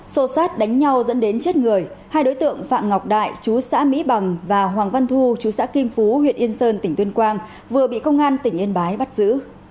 xô sát đánh nhau dẫn đến chết người hai đối tượng phạm ngọc đại chú xã mỹ bằng và hoàng văn thu chú xã kim phú huyện yên sơn tỉnh tuyên quang vừa bị công an tỉnh yên bái bắt giữ